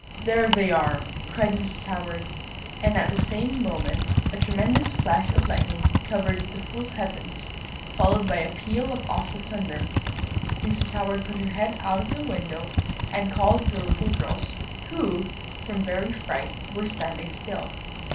"'There they are,' cried Mrs. Howard; and at the same moment a tremendous flash of lightning covered the whole heavens, followed by a peal of awful thunder. Mrs. Howard put her head out of the window, and called the little girls, who, from very fright, were standing still.